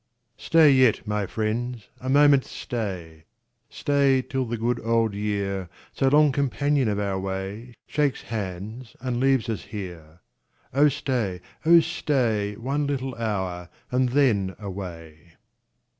Stat yet, my friends, a moment stay — Stay till the good old year, So long companion of our way, Shakes hands, and leaves ns here. Oh stay, oh stay. One little hour, and then away.